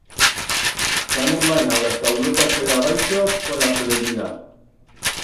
S'han envanau las taulotas per abaixo con la plevida.